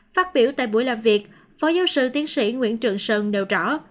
phát biểu tại buổi làm việc phó giáo sư tiến sĩ nguyễn trường sơn đều rõ